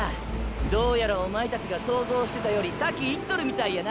どうやらおまえたちが想像してたより先いっとるみたいやな！！